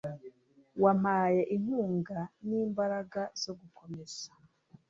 wampaye inkunga n'imbaraga zo gukomeza